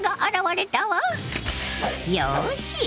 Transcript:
よし。